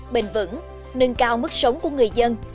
bền vững nâng cao mức sống của người dân